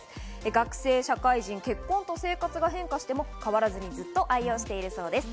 学生、社会人、結婚と生活が変化しても、変わらずにずっと愛用しているそうです。